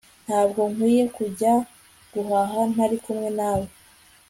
Ntabwo nkwiye kujya guhaha ntari kumwe nawe